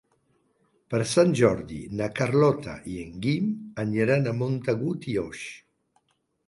Per Sant Jordi na Carlota i en Guim aniran a Montagut i Oix.